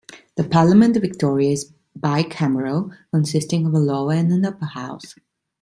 The Parliament of Victoria is bicameral, consisting of a Lower and an Upper house.